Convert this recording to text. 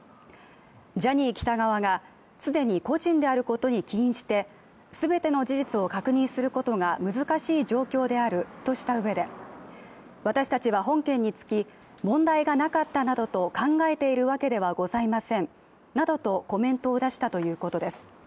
ジャニー喜多川が既に故人であることに起因して、全ての事実を確認することが難しい状況であるとしたうえで私たちは本件につき問題がなかったなどと考えているわけではございませんなどとコメントを出したということです。